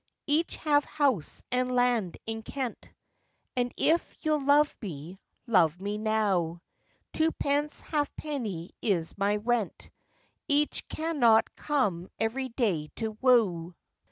] ICH have house and land in Kent, And if you'll love me, love me now; Two pence half penny is my rent,— Ich cannot come every day to woo.